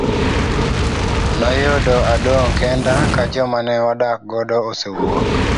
Noyudo adong' kenda ka joma ne wadak godo osewuok.